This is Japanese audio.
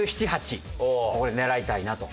１７１８狙いたいなと。